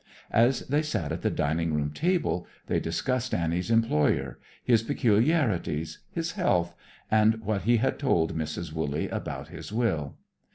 As they sat at the dining room table, they discussed Annie's employer, his peculiarities, his health, and what he had told Mrs. Wooley about his will.